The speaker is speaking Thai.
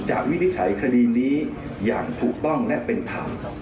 วินิจฉัยคดีนี้อย่างถูกต้องและเป็นธรรม